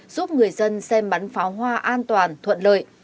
giúp người dân xem bắn pháo hoa an toàn thuận lợi